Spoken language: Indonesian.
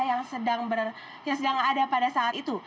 yang sedang ada pada saat itu